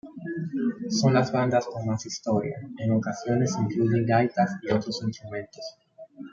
Son las bandas con más historia, en ocasiones incluyen gaitas y otros instrumentos.